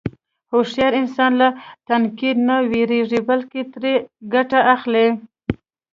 هوښیار انسان له تنقیده نه وېرېږي، بلکې ترې ګټه اخلي.